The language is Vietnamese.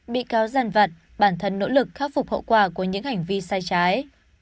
bị cáo giàn vật bản thân nỗ lực khắc phục hậu quả của những hành vi sai trái